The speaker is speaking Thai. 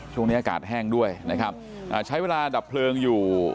ช่วงนี้อากาศแห้งด้วยนะครับอ่าใช้เวลาดับเพลิงอยู่